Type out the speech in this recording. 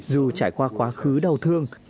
dù trải qua quá khứ đau thương